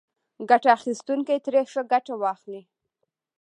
ګټه اخیستونکي ترې ښه ګټه واخلي.